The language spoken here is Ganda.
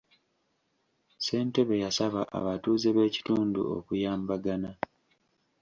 Ssentebe yasaba abatuuze b'ekitundu okuyambagana.